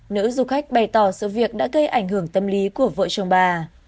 nữ du khách bày tỏ sự việc đã gây ảnh hưởng tâm lý của vợ chồng bà